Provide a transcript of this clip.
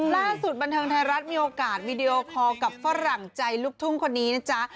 ล่าสุดบันเทิงไทยรัฐมีโอกาสวีดีโอคอร์กับฝรั่งใจลูกทุ่งคนนี้นะจ๊ะ